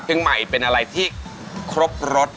ใหม่เป็นอะไรที่ครบรส